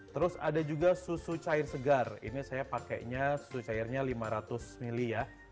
terus ada juga susu cair segar ini saya pakainya susu cairnya lima ratus ml ya